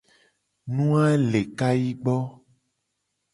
Nu a le kayi gbo.